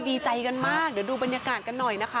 ดีใจกันมากเดี๋ยวดูบรรยากาศกันหน่อยนะคะ